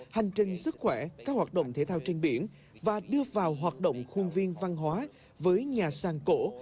hành trình sức khỏe các hoạt động thể thao trên biển và đưa vào hoạt động khuôn viên văn hóa với nhà sàng cổ